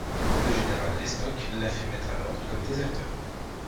Le général Lestocq l'a fait mettre à l'ordre comme déserteur.